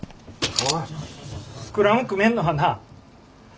スクラム組めんのはなぁ